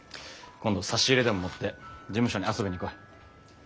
今度差し入れでも持って事務所に遊びに来い。